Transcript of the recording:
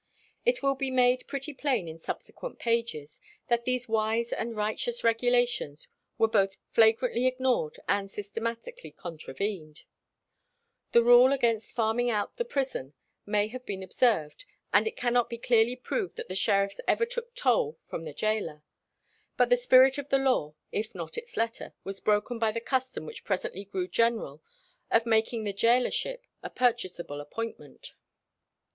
It will be made pretty plain in subsequent pages, that these wise and righteous regulations were both flagrantly ignored and systematically contravened. The rule against farming out the prison may have been observed, and it cannot be clearly proved that the sheriffs ever took toll from the gaoler. But the spirit of the law, if not its letter, was broken by the custom which presently grew general of making the gaolership a purchasable appointment.